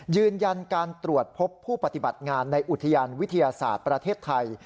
ยืนยันการตรวจพบผู้ปฏิบัติงานในอุทยานวิทยาศาสตร์ประเทศไทย